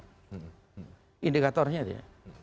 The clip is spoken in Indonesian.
ini indikatornya dia